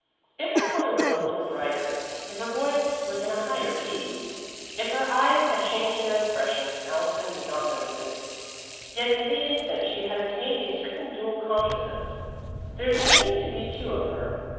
If her colour was a little brighter, if her voice was in a higher key, if her eyes had changed their expression, Allison did not notice it. Yet, in the instant, she had attained a certain dual consciousness there seemed to be two of her.